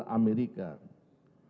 hanya mengembalikan sebesar